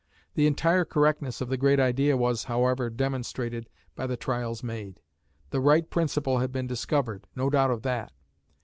The entire correctness of the great idea was, however, demonstrated by the trials made. The right principle had been discovered; no doubt of that.